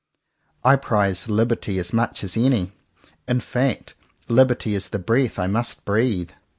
I prize liberty as much as any. In fact liberty is the breath I must breathe.